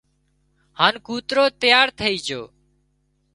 هانَ ڪوترو تيار ٿئي جھو